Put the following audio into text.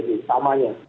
wisman untuk jalan